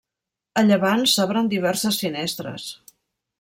A llevant s'obren diverses finestres.